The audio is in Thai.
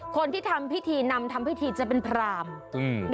คนที่ทำพิธีนำทำพิธีจะเป็นพราม